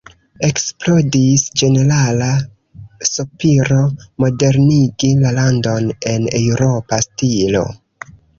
Eksplodis ĝenerala sopiro modernigi la landon en eŭropa stilo.